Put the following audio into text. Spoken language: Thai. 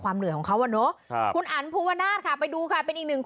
ความเหลืองของเขาว่ะเนอะครับคุณอนและนะคะไปดูค่ะเป็นอีกหนึ่งคน